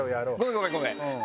ごめんごめん。